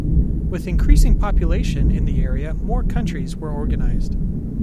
With increasing population in the area, more counties were organized.